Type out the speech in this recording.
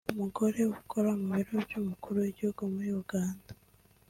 umugore ukora mu Biro by’Umukuru w’Igihugu muri Uganda